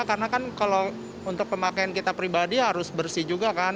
karena kan kalau untuk pemakaian kita pribadi harus bersih juga kan